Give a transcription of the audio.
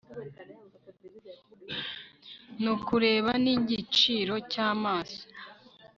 Nukureba n igiciro cy amaso